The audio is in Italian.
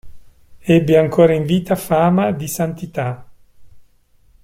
Ebbe ancora in vita fama di santità.